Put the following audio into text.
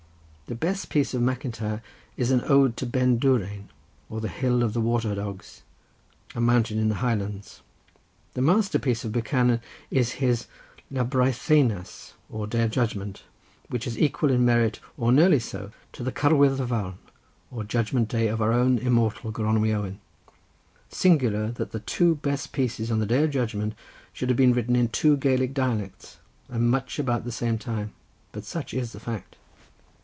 The best piece of Macintyre is an ode to Ben Dourain, or the Hill of the Water dogs—a mountain in the Highlands. The masterpiece of Buchanan is his La Breitheanas or Day of Judgment, which is equal in merit, or nearly so, to the Cywydd y Farn or Judgment Day of your own immortal Gronwy Owen. Singular that the two best pieces on the Day of Judgment should have been written in two Celtic dialects, and much about the same time; but such is the fact."